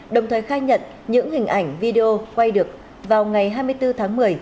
đồng thời khai nhận những hình ảnh video quay được vào ngày hai mươi bốn tháng một mươi